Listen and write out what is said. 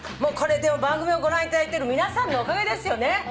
番組をご覧いただいてる皆さんのおかげですよね。